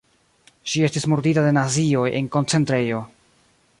Ŝi estis murdita de nazioj en koncentrejo.